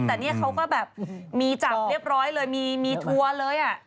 แต่เนี่ยเขาก็แบบมีจับเรียบร้อยเลยมีทัวร์เลย